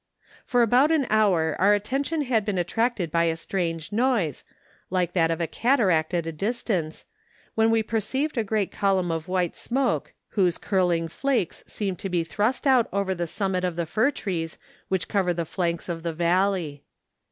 For about an hour our attention had been at¬ tracted by a strange noise, like that of a cataract at a distance, when we perceived a great column of white smoke, whose curling flakes seemed to be thrust out over the summit of the fir trees which cover the flanks of the valley.